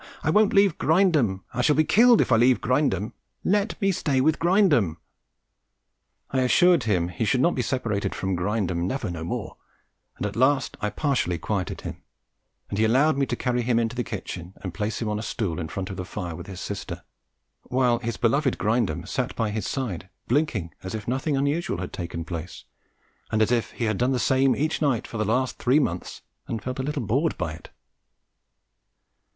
I won't leave Grindum. I shall be killed if I leave Grindum. Let me stay with Grindum." I assured him he should not be separated from Grindum "never no more," and at last I partially quieted him, and he allowed me to carry him into the kitchen and place him on a stool in front of the fire with his sister, while his beloved Grindum sat by his side blinking as if nothing unusual had taken place, and as if he had done the same each night for the last three months and felt a little bored by it.